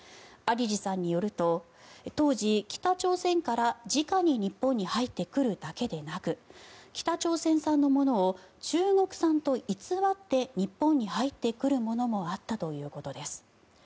有路さんによると当時、北朝鮮からじかに日本に入ってくるだけでなく北朝鮮産のものを中国産と偽って日本に入ってくるものもあったということです。